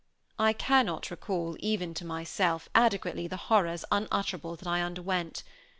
I cannot recall, even to myself, adequately the horrors unutterable that I underwent.